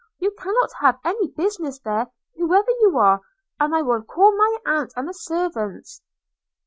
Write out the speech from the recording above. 'You cannot have any business there, whoever you are, and I will call my aunt and the servants.'